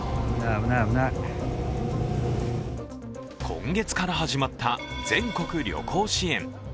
今月から始まった全国旅行支援。